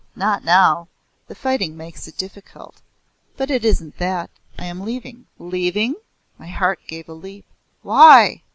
"Not now. The fighting makes it difficult. But it isn't that. I am leaving." "Leaving?" My heart gave a leap. "Why?